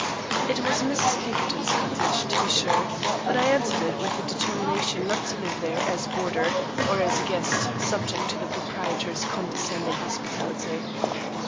It was Mrs. Pinkerton's cottage, to be sure, but I entered it with the determination not to live there as a boarder or as a guest subject to the proprietor's condescending hospitality.